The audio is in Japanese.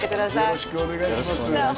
よろしくお願いしますさあ